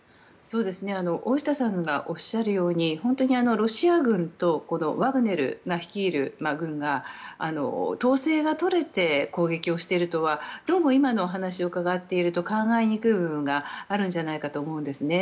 大下さんがおっしゃるように本当にロシア軍とワグネルが率いる軍が統制が取れて攻撃しているとはどうも今のお話を伺っていると考えにくい部分があると思うんですね。